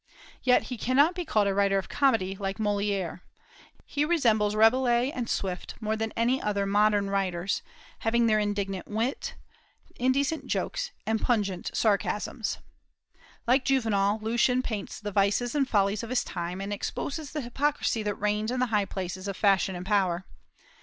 Yet he cannot be called a writer of comedy, like Molière. He resembles Rabelais and Swift more than any other modern writers, having their indignant wit, indecent jokes, and pungent sarcasms. Like Juvenal, Lucian paints the vices and follies of his time, and exposes the hypocrisy that reigns in the high places of fashion and power.